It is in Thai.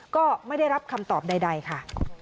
ก็ไม่ได้รับคำตอบใดค่ะ